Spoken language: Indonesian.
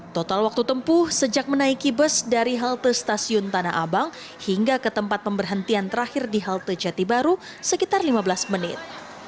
total waktu tempuh sejak menaiki bus dari halte stasiun tanah abang hingga ke tempat pemberhentian terakhir di halte jati baru sekitar lima belas menit